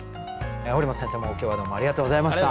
堀本先生も今日はどうもありがとうございました。